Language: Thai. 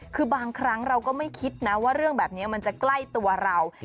คือบางครั้งเราก็ไม่คิดนะว่าเรื่องแบบนี้มันจะใกล้ตัวเรา